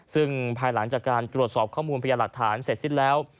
ซึ่งภายหลังจากการตรวจสอบข้อมูลพยาหลักฐานเสร็จสิ้นแล้ว